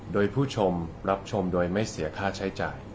โดยผู้ชมรับชมโดยไม่เสียค่าใช้จ่าย